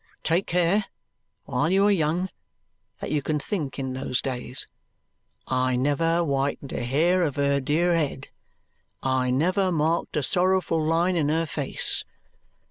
Take care, while you are young, that you can think in those days, 'I never whitened a hair of her dear head I never marked a sorrowful line in her face!'